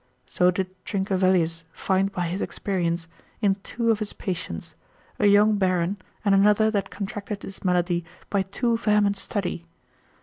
So did Trincavelius, lib. 1, consil. 12 and 13, find by his experience, in two of his patients, a young baron, and another that contracted this malady by too vehement study.